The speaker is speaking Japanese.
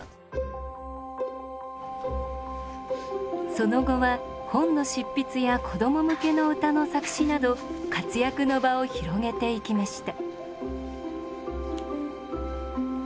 その後は本の執筆や子供向けの歌の作詞など活躍の場を広げていきました。